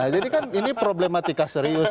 jadi kan ini problematika serius